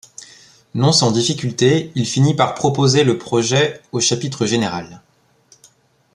Non sans difficultés, il finit par proposer le projet au Chapitre général.